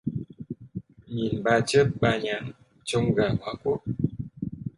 Nhìn ba chớp ba nháng trông gà hóa cuốc